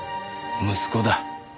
息子だ。